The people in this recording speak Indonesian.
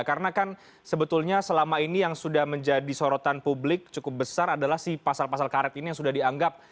karena kan sebetulnya selama ini yang sudah menjadi sorotan publik cukup besar adalah si pasal pasal karet ini yang sudah dianggap